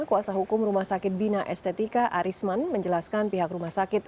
kuasa hukum rumah sakit bina estetika arisman menjelaskan pihak rumah sakit